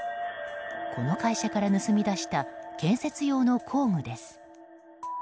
この会社から盗み出した建設用の工具です。